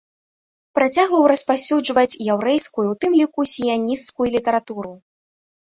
Працягваў распаўсюджваць яўрэйскую, у тым ліку сіянісцкую, літаратуру.